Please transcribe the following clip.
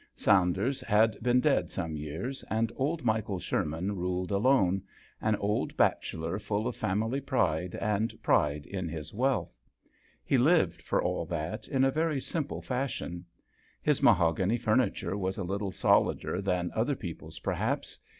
Saunders had been dead some years and old Michael Sherman ruled alone an old bachelor full of family pride and pride in his wealth. He lived, for all that, in a very simple fashion. His mahogany furni ture was a little solider than other people's perhaps.